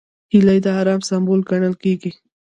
هیلۍ د ارام سمبول ګڼل کېږي